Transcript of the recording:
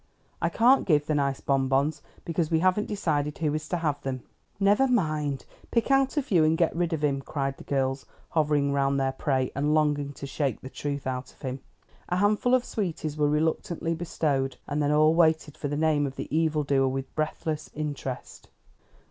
I can't give the nice bonbons, because we haven't decided who is to have them." "Never mind. Pick out a few and get rid of him," cried the girls, hovering round their prey, and longing to shake the truth out of him. A handful of sweeties were reluctantly bestowed, and then all waited for the name of the evil doer with breathless interest.